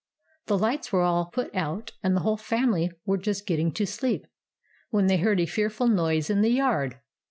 The lights were all put out and the whole family were just getting to sleep, when they heard a fearful noise in the yard.